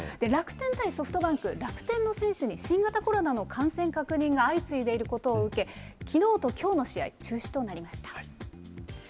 楽天対ソフトバンク、楽天の選手に新型コロナの感染確認が相次いでいることを受け、きのうときょうの試合、中止となりました。